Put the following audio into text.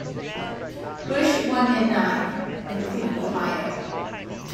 Bush won in nine, including Ohio.